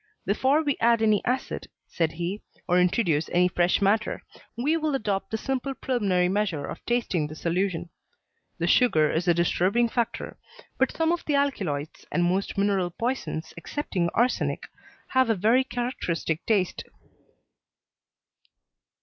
"Before we add any acid," said he, "or introduce any fresh matter, we will adopt the simple preliminary measure of tasting the solution. The sugar is a disturbing factor, but some of the alkaloids and most mineral poisons excepting arsenic have a very characteristic taste."